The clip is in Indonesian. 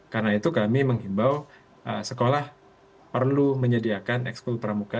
karena itu kami mengimbau sekolah perlu menyediakan ekskul peramuka